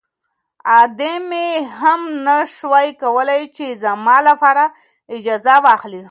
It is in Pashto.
ادې مې هم نه شوای کولی چې زما لپاره اجازه واخلي.